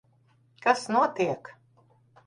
Kas notiek?